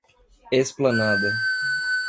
Esplanada